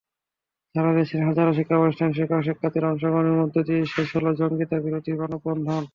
সারা দেশের হাজারো শিক্ষাপ্রতিষ্ঠানে শিক্ষক–শিক্ষার্থীর অংশগ্রহণের মধ্য দিয়ে শেষ হলো জঙ্গিবাদবিরোধী মানববন্ধন।